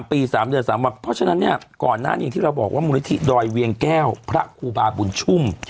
ปี๓เดือน๓วันเพราะฉะนั้นเนี่ยก่อนหน้านี้ที่เราบอกว่ามูลนิธิดอยเวียงแก้วพระครูบาบุญชุ่ม